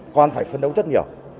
còn phải phân đấu rất nhiều